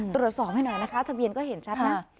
ตรวจสอบให้หน่อยนะคะทะเบียนก็เห็นชัดนะ